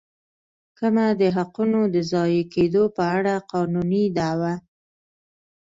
کمه د حقونو د ضایع کېدو په اړه قانوني دعوه.